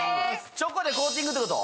チョコでコーティングってこと？